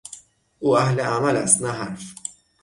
او اهل عمل است نه حرف.